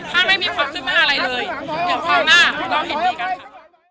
ถ้าไม่มีความคืบหน้าอะไรเลยเดี๋ยวคราวหน้าเราเห็นดีกันค่ะ